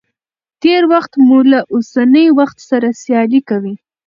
تېر وخت مو له اوسني وخت سره سيالي کوي.